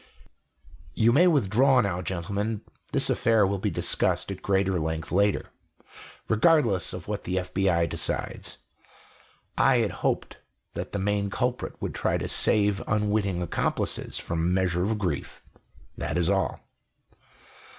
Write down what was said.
"You may withdraw now, gentlemen; this affair will be discussed at greater length later, regardless of what the FBI decides. I had hoped that the main culprit would try to save unwitting accomplices from a measure of grief. That is all."